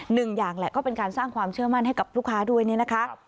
หนึ่งอย่างแหละก็เป็นการสร้างความเชื่อมั่นให้กับลูกค้าด้วยนี่นะคะ